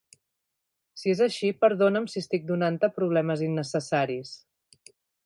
Si és així, perdona'm si estic donant-te problemes innecessaris.